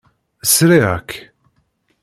Sriɣ-k.